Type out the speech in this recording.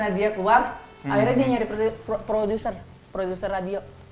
akhirnya dia nyari produser produser radio